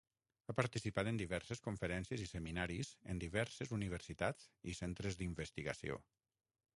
Ha participat en diverses conferències i seminaris en diverses universitats i centres d'investigació.